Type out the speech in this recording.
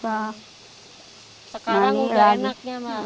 sekarang enaknya mak